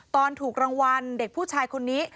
ถูกรางวัลเด็กผู้ชายคนนี้